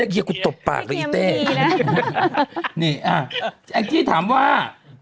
เล็กเฮียกูตบปากเหรออีเต้เองเกียจถามว่า